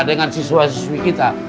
dengan siswa siswi kita